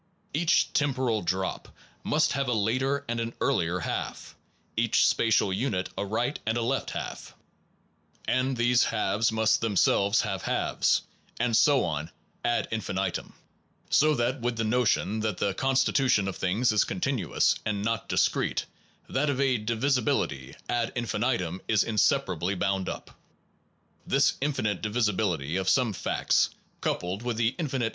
Each temporal drop must have a later and an earlier half, each spatial unit a right and a left half, and these 155 SOME PROBLEMS OF PHILOSOPHY halves must themselves, have halves, and so on ad infinitum, so that with the notion that the constitution of things is continuous and not discrete, that of a divisibility ad infinitum is inseparably bound up. This infinite divisibil ity of some facts, coupled with the infinite